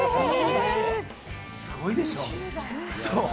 すごいでしょ？